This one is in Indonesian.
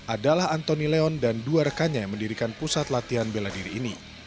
adalah antoni leon dan dua rekannya yang mendirikan pusat latihan bela diri ini